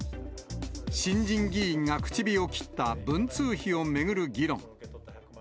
新人議員が口火を切った、文通費を巡る議論。